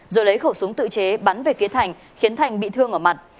rồi lấy khẩu súng tự chế bắn về phía thành khiến thành bị thương ở mặt